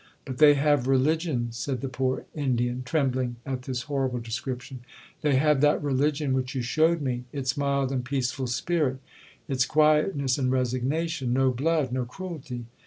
'—'But they have religion,' said the poor Indian, trembling at this horrible description; 'they have that religion which you shewed me—its mild and peaceful spirit—its quietness and resignation—no blood—no cruelty.'